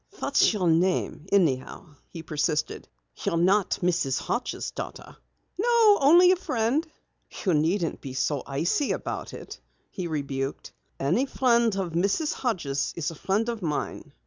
"What's your name anyhow?" he persisted. "You're not Mrs. Hodges' daughter." "No, only a friend." "You needn't be so icy about it," he rebuked. "Any friend of Mrs. Hodges' is a friend of mine."